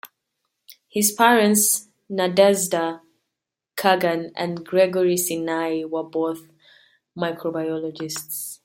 His parents, Nadezda Kagan and Gregory Sinai, were both microbiologists.